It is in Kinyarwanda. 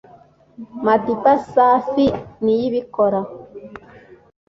Madiba Safi Niyibikora